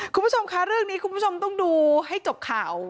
คุณผู้ชมคะเรื่องนี้คุณผู้ชมต้องดูให้จบข่าว